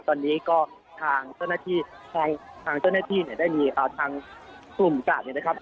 ตอนนี้ก็ทางเจ้าหน้าที่ทางเจ้าหน้าที่เนี่ยได้มีทางกลุ่มกาดเนี่ยนะครับ